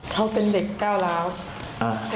เมื่อกีพ